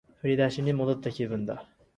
振り出しに戻った気分だ